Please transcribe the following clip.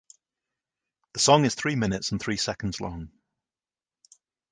The song is three minutes and three seconds long.